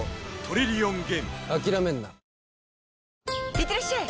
いってらっしゃい！